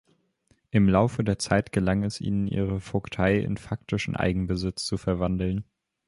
Im Laufe der Zeit gelang es ihnen, ihre Vogtei in faktischen Eigenbesitz zu verwandeln.